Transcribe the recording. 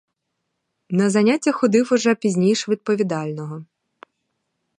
На заняття ходив уже пізніш відповідального.